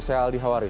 saya aldi hawari